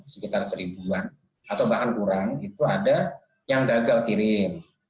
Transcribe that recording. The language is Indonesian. sekitar seribuan atau bahkan kurang itu ada yang gagal kirim